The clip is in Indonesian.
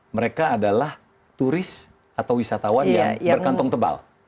mereka adalah turis atau wisatawan yang berkantong tebal